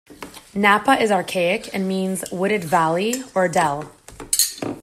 "Napa" is archaic and means "wooded valley" or dell.